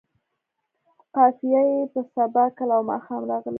قافیه یې په سبا، کله او ماښام راغلې.